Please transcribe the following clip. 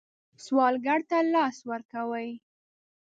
سوالګر ته لاس ورکوئ